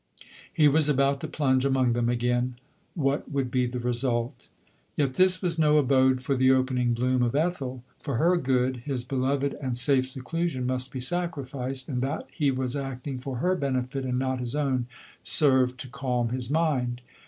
He was about to plunge among them again. What would be the result? Yet this was no abode for the opening bloom of Ethel. For her good his beloved and safe seclusion must be sacrificed, and that lie was acting for her benefit, and not his own, served to calm his mind.